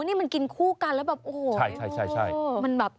นี่มันกินคู่กันแล้วโอ้โฮ